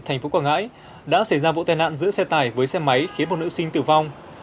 tp quảng ngãi đã xảy ra vụ tên nạn giữa xe tải với xe máy khiến một nữ sinh tử vong